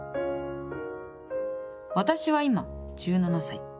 私は今１７歳。